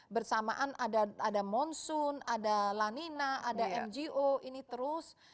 bersamaan ada monsoon ada lanina ada ngo ini terus